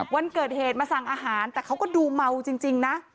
วันเกิดเหตุมาสั่งอาหารแต่เขาก็ดูเมาจริงนะ